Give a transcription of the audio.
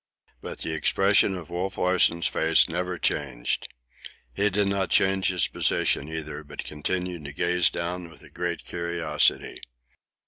But the expression of Wolf Larsen's face never changed. He did not change his position either, but continued to gaze down with a great curiosity.